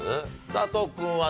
佐藤君は？